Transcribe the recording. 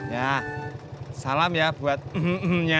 ya salam ya buat hmmnya